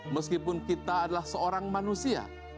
meskipun kita adalah seorang manusia